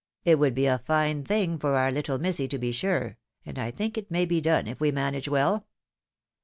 It would be a fine thing for our httle missy, to be sure ! and I think it may be done if we manage well.